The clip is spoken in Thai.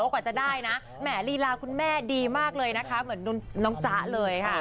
กว่าจะได้นะแหมลีลาคุณแม่ดีมากเลยนะคะเหมือนน้องจ๊ะเลยค่ะ